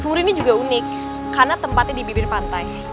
sumur ini juga unik karena tempatnya di bibir pantai